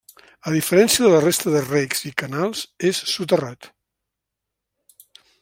A diferència de la resta de recs i canals és soterrat.